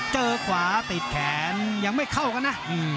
เจอขวาติดแขนยังไม่เข้ากันนะ